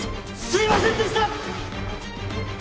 すいませんでした！